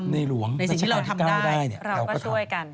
ในหลวงในสิ่งที่เราทำได้เราก็ช่วยกัน